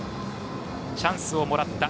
チャンスをもらった。